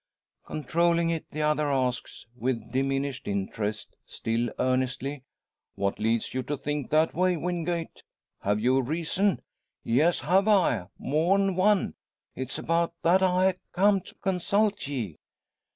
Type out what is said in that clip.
Controlling it, the other asks, with diminished interest, still earnestly: "What leads you to think that way, Wingate? Have you a reason?" "Yes, have I; more'n one. It's about that I ha' come to consult ye."